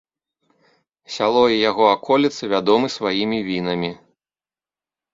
Сяло і яго аколіцы вядомы сваімі вінамі.